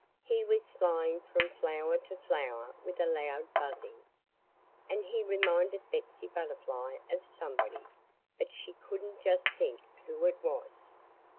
He was flying from flower to flower with a loud buzzing. And he reminded Betsy Butterfly of somebody, but she couldn't just think who it was.